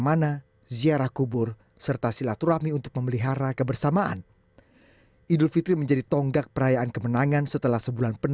kita tidak bisa padang ini harus bersih harus nyaman tidak ada orang makan siang